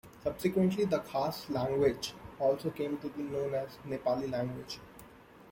Subsequently, the Khas language also came to be known as "Nepali language".